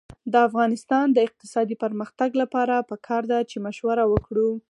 د افغانستان د اقتصادي پرمختګ لپاره پکار ده چې مشوره وکړو.